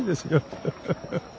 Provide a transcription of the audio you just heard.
ハハハ。